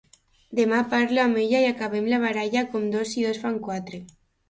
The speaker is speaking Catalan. Demà parlo amb ella i acabem la baralla com dos i dos fan quatre.